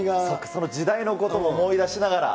その時代のことも思い出しながら。